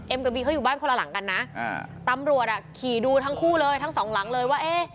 กับบีเขาอยู่บ้านคนละหลังกันนะตำรวจอ่ะขี่ดูทั้งคู่เลยทั้งสองหลังเลยว่าเอ๊ะ